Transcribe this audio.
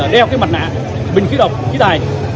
đeo mặt nạ bình khí độc khí tài